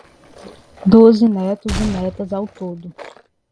Doze netos e netas ao todo